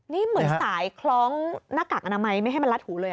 นี่เหมือนสายคล้องหน้ากากอนามัยไม่ให้มันลัดหูเลย